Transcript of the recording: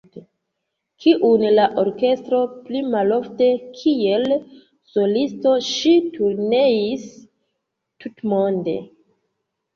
Kun la orkestro, pli malofte kiel solisto ŝi turneis tutmonde.